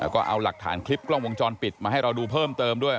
ก็เอาหลักฐานคลิปกล้องวงจรปิดมาให้เราดูเพิ่มเติมด้วย